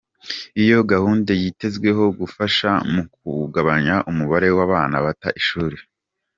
Iyo gahunda yitezweho gufasha mu kugabanya umubare w’abana bata ishuri.